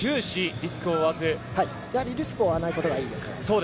リスクを負わないことがいいですね。